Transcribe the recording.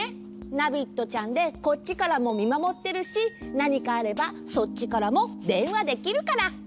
ナビットちゃんでこっちからもみまもってるしなにかあればそっちからもでんわできるから。